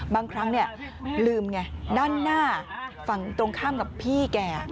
บางครั้งลืมไงด้านหน้าฝั่งตรงข้ามกับพี่แก